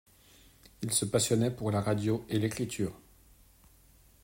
Il se passionnait pour la radio et l'écriture.